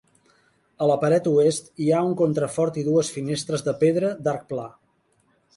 A la paret oest hi ha un contrafort i dues finestres de pedra d'arc pla.